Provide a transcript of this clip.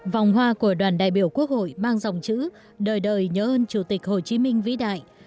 vòng hoa của đoàn đại biểu quốc hội mang dòng chữ đời đời nhớ ơn chủ tịch hồ chí minh vĩ đại